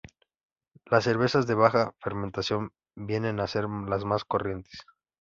Las cervezas de baja fermentación vienen a ser las más corrientes.